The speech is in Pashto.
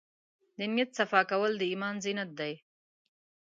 د نیت صفا کول د ایمان زینت دی.